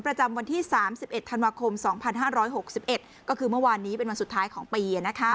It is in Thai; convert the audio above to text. ประจำวันที่๓๑ธันวาคม๒๕๖๑ก็คือเมื่อวานนี้เป็นวันสุดท้ายของปี